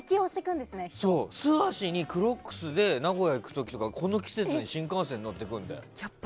素足にクロックスで名古屋に行く時とかこの季節、新幹線もそれで乗ってくるんだよ。